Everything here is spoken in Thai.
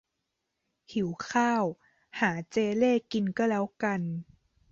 หิวข้าว หาเจเล่กินก็แล้วกัน